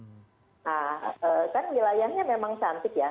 nah kan wilayahnya memang cantik ya